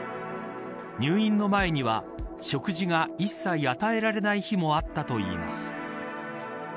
入院の前には食事が一切与えられない日もあったといいます。